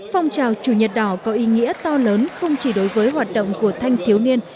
phong trào chủ nhật đỏ có ý nghĩa to lớn không chỉ đối với hoạt động của thanh thiếu niên